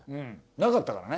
なかったからね。